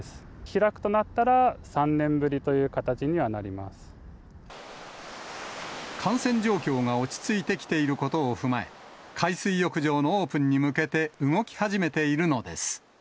開くとなったら、３年ぶりという感染状況が落ち着いてきていることを踏まえ、海水浴場のオープンに向けて動き始めているのです。